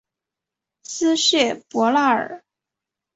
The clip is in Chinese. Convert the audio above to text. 斯谢伯纳尔。